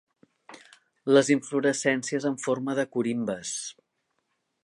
Les inflorescències en forma de corimbes.